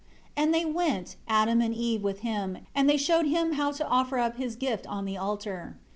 4 And they went, Adam and Eve with him, and they showed him how to offer up his gift on the altar.